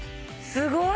すごい。